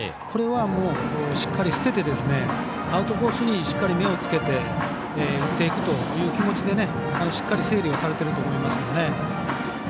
これはもうしっかり捨ててアウトコースにしっかり目をつけて打っていくという気持ちでしっかり整理されていると思います。